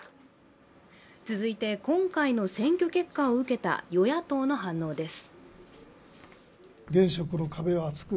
続いて今回の選挙結果を受けた与野党の反応です。